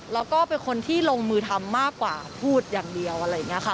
แล้วก็เป็นคนที่ลงมือทำมากกว่าพูดอย่างเดียวอะไรอย่างนี้ค่ะ